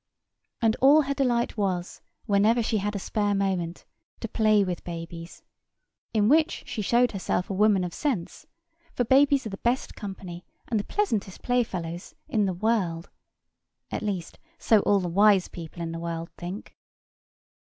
And all her delight was, whenever she had a spare moment, to play with babies, in which she showed herself a woman of sense; for babies are the best company, and the pleasantest playfellows, in the world; at least, so all the wise people in the world think.